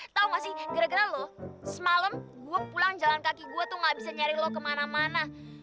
tau gak sih gara gara lo semalam gue pulang jalan kaki gue tuh gak bisa nyari lo kemana mana